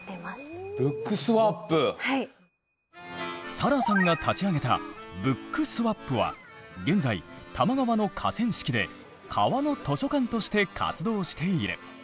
サラさんが立ち上げたＢｏｏｋｓｗａｐは現在多摩川の河川敷で川の図書館として活動している。